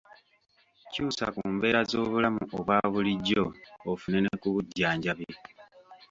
Kyusa Ku mbeera z'obulamu obwa bulijjo ofune ne ku bujjanjabi